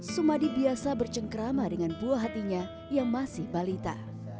jumadis biasa bercengkerama dengan buah hatinya yang masih balita